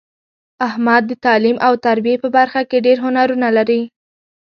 احمد د تعلیم او تربیې په برخه کې ډېر هنرونه لري.